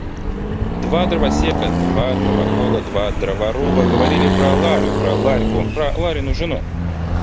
Два дровосека, два дровокола, два дроворуба говорили про Ларю, про Ларьку, про Ларину жену.